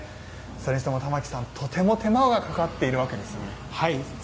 それにしても玉置さん、とても手間がかかっているわけですね。